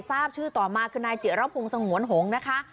ทราบชื่อต่อมาคือนายเจี๋ยวรับภูมิสังหวนหงษ์นะคะ